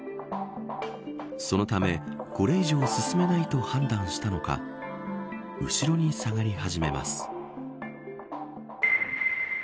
そのため、これ以上進めないと判断したのか後ろに下がり始めます。